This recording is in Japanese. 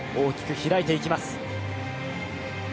大きく開いていきます。